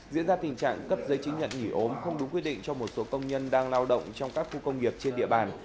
diễn ra tình trạng cấp giấy chứng nhận nghỉ ốm không đúng quy định cho một số công nhân đang lao động trong các khu công nghiệp trên địa bàn